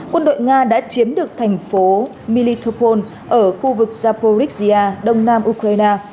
quân đội nga đã chiếm được thành phố militopol ở khu vực japorisia đông nam ukraine